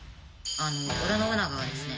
織田信長がですね